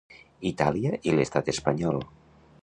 Itàlia i l'Estat espanyol.